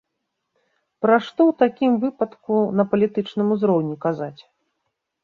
Пра што ў такім выпадку на палітычным узроўні казаць?